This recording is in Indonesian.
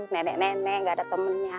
nenek nenek gak ada temennya